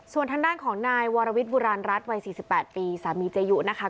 ส่วนทางด้านของนายวรวิทย์บุราณรัฐวัย๔๘ปีสามีเจยุนะคะ